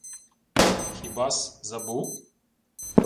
— Хіба-с забув?